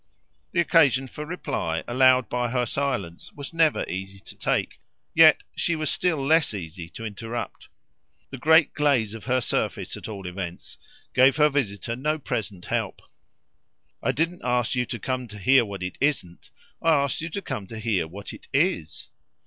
The occasion for reply allowed by her silence was never easy to take, yet she was still less easy to interrupt. The great glaze of her surface, at all events, gave her visitor no present help. "I didn't ask you to come to hear what it isn't I asked you to come to hear what it IS."